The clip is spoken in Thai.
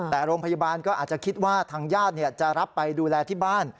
แต่โรงพยาบาลก็อาจจะคิดว่าทางญาติจะรับไปดูแลที่บ้าน